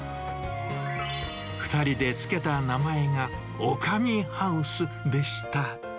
２人でつけた名前が、オカミハウスでした。